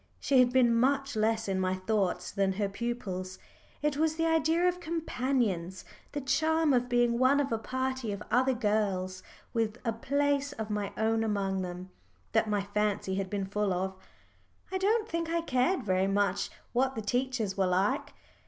She had been much less in my thoughts than her pupils; it was the idea of companions, the charm of being one of a party of other girls, with a place of my own among them, that my fancy had been full of. I don't think I cared very much what the teachers were like.